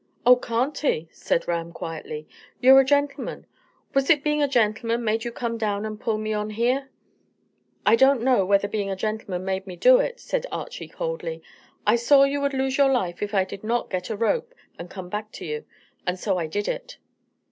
"Oh, can't he?" said Ram quietly. "You're a gentleman. Was it being a gentleman made you come down and pull me on here." "I don't know whether being a gentleman made me do it," said Archy coldly. "I saw you would lose your life if I did not get a rope and come to you, and so I did it."